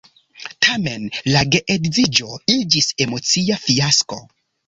Tamen la geedziĝo iĝis emocia fiasko.